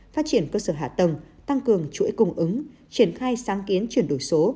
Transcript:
phát triển cơ sở hạ tầng tăng cường chuỗi cung ứng triển khai sáng kiến chuyển đổi số